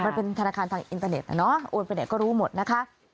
มันเป็นธนาคารทางอินเตอร์เน็ตโอนไปไหนก็รู้หมดนะคะ